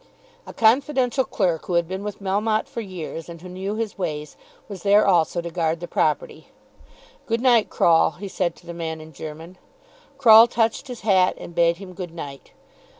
A confidential clerk, who had been with Melmotte for years, and who knew his ways, was there also to guard the property. "Good night, Croll," he said to the man in German. Croll touched his hat and bade him good night.